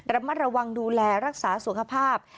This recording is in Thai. ระมัดระวังดูแลรักษาสุขภาพ